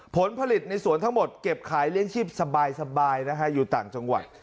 ผลผลิตในสวนทั้งหมดเก็บขายเลี้ยงชีพสบายนะฮะอยู่ต่างจังหวัด